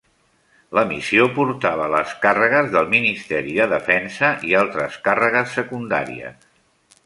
La missió portava les càrregues del Ministeri de Defensa i altres càrregues secundaries.